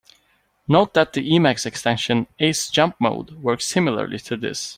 Note that the Emacs extension "Ace jump mode" works similarly to this.